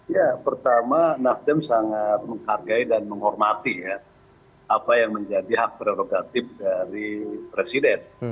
ya pertama nasdem sangat menghargai dan menghormati ya apa yang menjadi hak prerogatif dari presiden